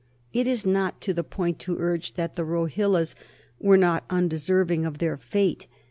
It is not to the point to urge that the Rohillas were not undeserving of their fate.